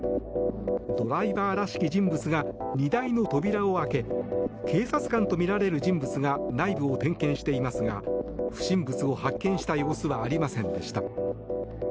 ドライバーらしき人物が荷台の扉を開け警察官とみられる人物が内部を点検していますが不審物を発見した様子はありませんでした。